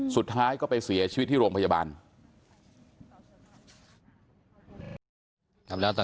สุดท้ายก็ไปเสียชีวิตที่โรงพยาบาล